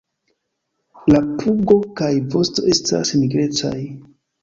La pugo kaj vosto estas nigrecaj.